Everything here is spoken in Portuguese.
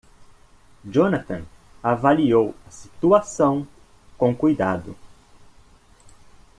Johnathan avaliou a situação com cuidado.